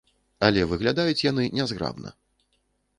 Але выглядаюць яны нязграбна.